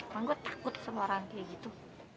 emang gue takut sama orang kayak gitu